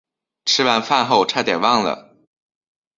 吃完饭后差点忘了